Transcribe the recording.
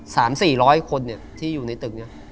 สามสี่ร้อยคนเนี่ยที่อยู่ในตึกเนี่ย